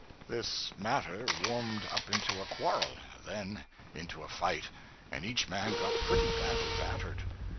This matter warmed up into a quarrel; then into a fight; and each man got pretty badly battered.